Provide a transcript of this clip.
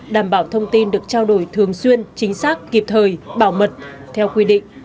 đảm bảo thông tin được trao đổi thường xuyên chính xác kịp thời bảo mật theo quy định